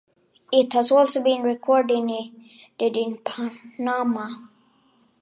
It has also been recorded in Panama.